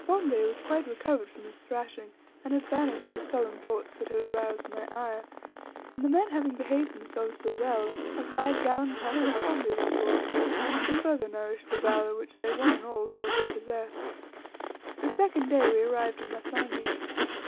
Bombay was quite recovered from his thrashing, and had banished the sullen thoughts that had aroused my ire, and the men having behaved themselves so well, a five gallon pot of pombe was brought to further nourish the valour, which they one and all thought they possessed. The second day we arrived at Masangi.